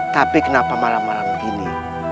tapi kenapa malam malam begini